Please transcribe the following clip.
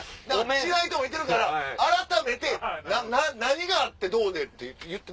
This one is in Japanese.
知らん人もいてるから改めて何があってどうでって言って。